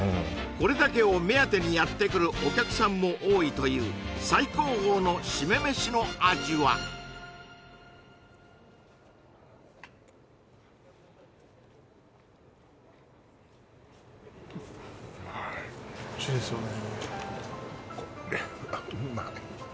これだけを目当てにやってくるお客さんも多いというの味はおいしいですよね